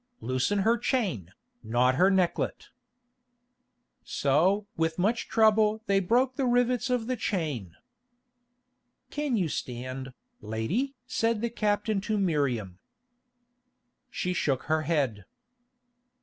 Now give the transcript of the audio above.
Loosen her chain, not her necklet." So with much trouble they broke the rivets of the chain. "Can you stand, lady?" said the captain to Miriam. She shook her head.